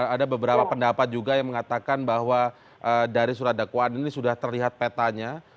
ada beberapa pendapat juga yang mengatakan bahwa dari surat dakwaan ini sudah terlihat petanya